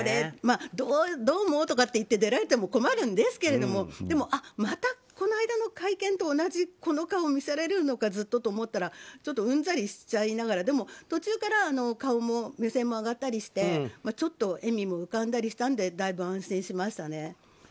どうもとかって出られても困るんですけどまたこの間の会見と同じこの顔を見せられるのかと思いながら、ちょっとうんざりしちゃいながらでも途中から顔も目線も上がったりしてちょっと笑みも浮かんだりしたのでだいぶ安心しましたね。